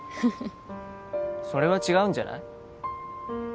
それは違うんじゃない？